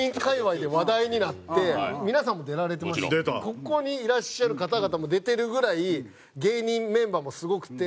ここにいらっしゃる方々も出てるぐらい芸人メンバーもすごくて。